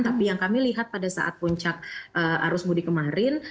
tapi yang kami lihat pada saat puncak arus mudik kemarin